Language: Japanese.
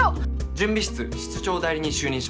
準備室室長代理に就任しました。